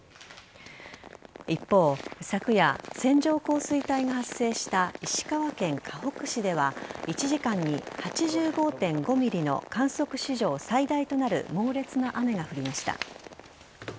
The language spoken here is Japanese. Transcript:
一方、昨夜線状降水帯が発生した石川県かほく市では１時間に８５．５ｍｍの観測史上最大となる猛烈な雨が降りました。